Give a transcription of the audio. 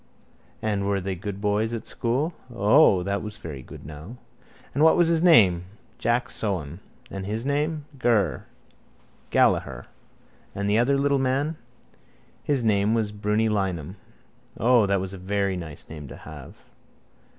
And were they good boys at school? O. That was very good now. And what was his name? Jack Sohan. And his name? Ger. Gallaher. And the other little man? His name was Brunny Lynam. O, that was a very nice name to have.